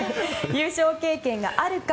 優勝経験があるか